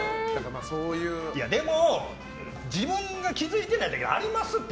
でも自分が気づいてないだけでありますって。